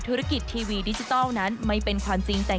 แต่ก็ลองดูแล้วกันว่าจะเป็นอะไรต่อไป